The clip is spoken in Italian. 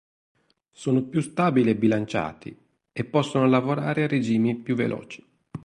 Sono più stabili e bilanciati e possono lavorare a regimi più veloci.